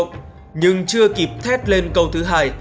ông minh hô một tiếng trộm nhưng chưa kịp thét lên câu thứ hai